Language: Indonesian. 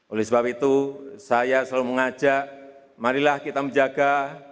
oleh sebab itu saya selalu mengajak marilah kita menjaga